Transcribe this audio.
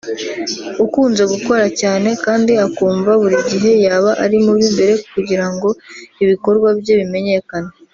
ukunze gukora cyane kandi akumva buri gihe yaba ari mu b’imbere kugira ngo ibikorwa bye bimenyekane